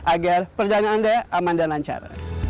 agar perjalanan anda aman dan lancar